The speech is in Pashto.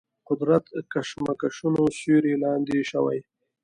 قدرت کشمکشونو سیوري لاندې شوي.